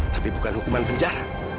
tapi bukan hukuman benjar